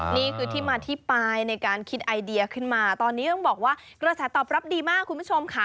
นี่คือที่มาที่ไปในการคิดไอเดียขึ้นมาตอนนี้ต้องบอกว่ากระแสตอบรับดีมากคุณผู้ชมค่ะ